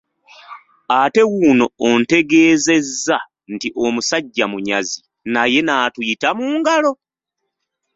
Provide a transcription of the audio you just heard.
Ate wuuno ontegeezezza nti omusajja munyazi, naye n'atuyita mu ngalo!